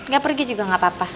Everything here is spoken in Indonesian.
gak pergi juga gak apa apa